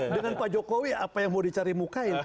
dengan pak jokowi apa yang mau dicari mukain